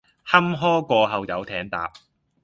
坎坷過後有艇搭！